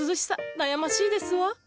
悩ましいですわ。